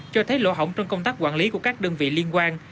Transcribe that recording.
cho thấy lỗ hổng trong công tác quản lý của các đơn vị liên quan